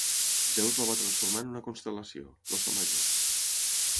Zeus la va transformar en una constel·lació, l'Óssa Major.